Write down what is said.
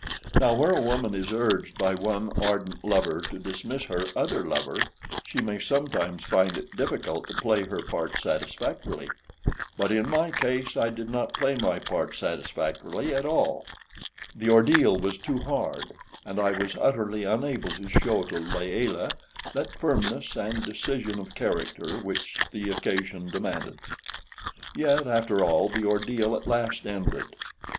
Now, where a woman is urged by one ardent lover to dismiss her other lover, she may sometimes find it difficult to play her part satisfactorily; but in my case I did not play my part satisfactorily at all; the ordeal was too hard, and I was utterly unable to show to Layelah that firmness and decision of character which the occasion demanded. Yet, after all, the ordeal at last ended.